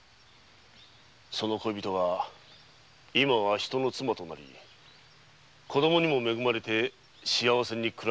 その恋人が今は人の妻となり子供にも恵まれて幸せに暮らしていた事もな。